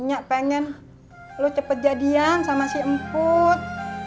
nya pengen lu cepetjadian sama si emput